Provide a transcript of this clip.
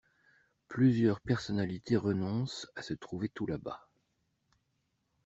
Plusieurs personnalités renoncent à se trouver tout là-bas.